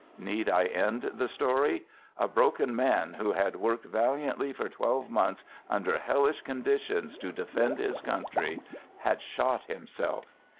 Need I end the story? A broken man, who had worked valiantly for twelve months under hellish condi tions to defend his country — had shot himself.